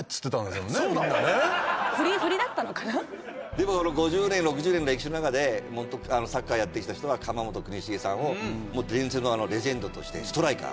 でも５０年６０年ぐらい生きてる中でサッカーやってきた人は釜本邦茂さんを伝説のレジェンドとしてストライカー。